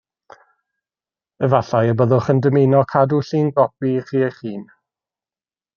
Efallai y byddwch yn dymuno cadw llungopi i chi eich hun